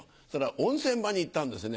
温泉場に行ったんですね